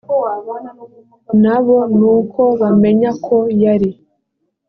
na bo nuko bamenya ko yari